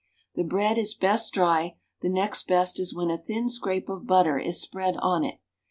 The bread is best dry, the next best is when a thin scrape of butter is spread on it.